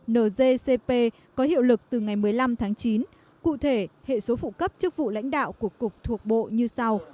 nzcp có hiệu lực từ ngày một mươi năm tháng chín cụ thể hệ số phụ cấp chức vụ lãnh đạo của cục thuộc bộ như sau